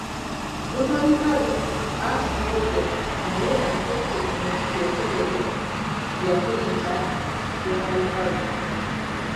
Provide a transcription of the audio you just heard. Ddumabikalu, anti gw’olya naye enkejje enjokerere yakuyita ddumabikalu.